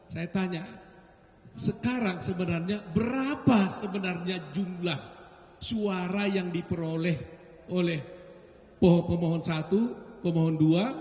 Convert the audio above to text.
saya tanya sekarang sebenarnya berapa sebenarnya jumlah suara yang diperoleh oleh pemohon satu pemohon dua